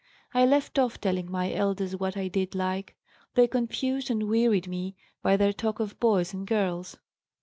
I left off telling my elders what I did like. They confused and wearied me by their talk of boys and girls.